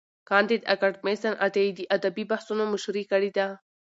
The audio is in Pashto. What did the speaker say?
کانديد اکاډميسن عطايي د ادبي بحثونو مشري کړې ده.